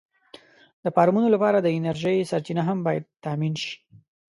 د فارمونو لپاره د انرژۍ سرچینه هم باید تأمېن شي.